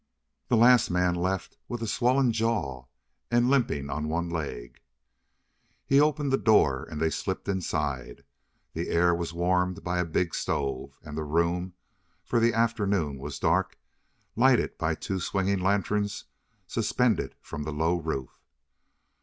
"The last man left with a swollen jaw and limping on one leg." Here he opened the door, and they slipped inside. The air was warmed by a big stove, and the room for the afternoon was dark lighted by two swinging lanterns suspended from the low roof.